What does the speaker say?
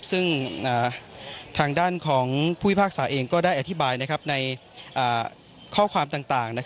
ซึ่งทางด้านของผู้พิพากษาเองก็ได้อธิบายในข้อความต่าง